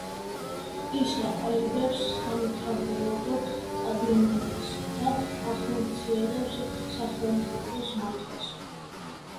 ის აყალიბებს სამთავრობო კაბინეტს და ახორციელებს სახელმწიფოს მართვას.